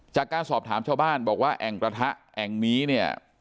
จากการสอบถามชาวบ้านบอกว่าแอ่งกระทะแอ่งนี้เนี่ย